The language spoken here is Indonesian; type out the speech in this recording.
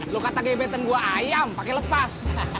lu kata gebetan gue ayam pake lepas